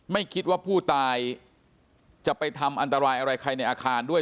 ไม่คิดว่าผู้ตายจะไปทำอันตรายอะไรใครในอาคารด้วย